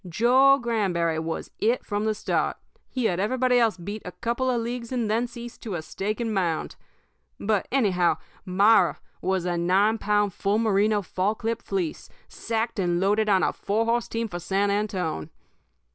Joe Granberry was It from the start. He had everybody else beat a couple of leagues and thence east to a stake and mound. But, anyhow, Myra was a nine pound, full merino, fall clip fleece, sacked and loaded on a four horse team for San Antone.